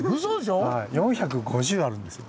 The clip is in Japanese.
４５０あるんですよ。